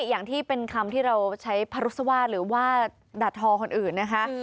อย่างที่เป็นคำที่เราใช้พรุษวาสหรือว่าด่าทอคนอื่นนะคะ